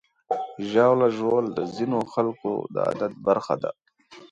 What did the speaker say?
ژاوله ژوول د ځینو خلکو د عادت برخه ده.